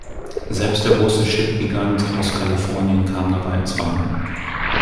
Selbst der große Chipgigant aus Kalifornien kam dabei ins Wanken.